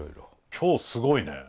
今日すごいね。